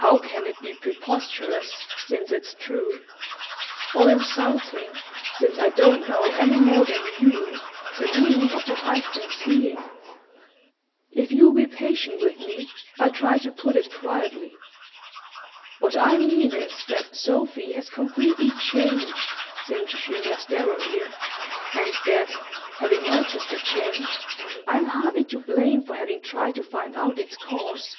"How can it be preposterous, since it's true? Or insulting, since I don't know, any more than YOU, the meaning of what I've been seeing? If you'll be patient with me I'll try to put it quietly. What I mean is that Sophy has completely changed since she met Darrow here, and that, having noticed the change, I'm hardly to blame for having tried to find out its cause."